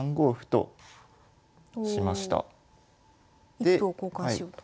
一歩を交換しようと。